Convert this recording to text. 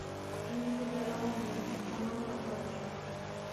Мин сыҙай алманым, танау тарта башланым.